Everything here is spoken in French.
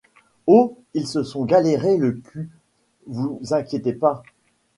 Oh ils se sont galéré le cul, vous inquiétez pas.